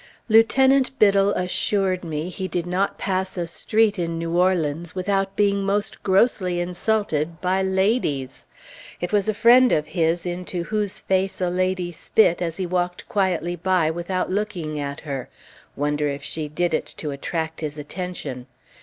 Lieutenant Biddle assured me he did not pass a street in New Orleans without being most grossly insulted by ladies. It was a friend of his into whose face a lady spit as he walked quietly by without looking at her. (Wonder if she did it to attract his attention?)